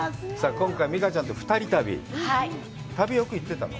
今回美佳ちゃんと２人旅はい旅よく行ってたの？